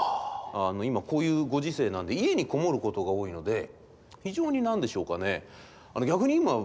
今こういうご時世なんで家にこもることが多いので非常に何でしょうかね